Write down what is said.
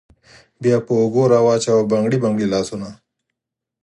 بیا په اوږو راوچوه بنګړي بنګړي لاسونه